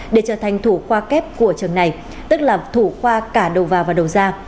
để trở thành thủ khoa kép của trường này tức là thủ khoa cả đầu vào và đầu ra